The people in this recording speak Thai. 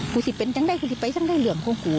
กูสิเป็นจังได้คือที่ไปจังได้เหลืองของกู